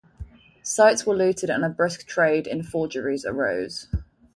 Sites were looted and a brisk trade in forgeries arose.